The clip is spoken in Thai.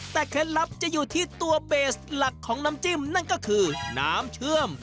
แต่เคล็ดลับจะอยู่ที่ตัวเบสหลักของน้ำจิ้มนั่นก็คือน้ำเชื่อม